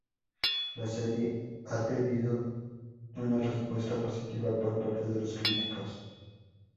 La serie ha tenido una respuesta positiva por parte de los críticos.